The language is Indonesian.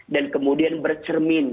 dan kemudian bercermin